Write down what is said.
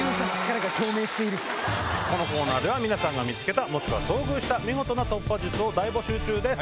このコーナーでは皆さんが見つけたもしくは遭遇した見事な突破術を大募集中です。